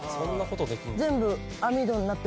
全部。